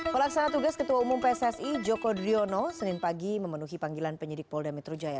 pelaksana tugas ketua umum pssi joko driono senin pagi memenuhi panggilan penyidik polda metro jaya